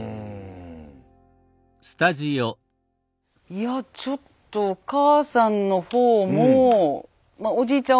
いやちょっとお母さんの方もおじいちゃん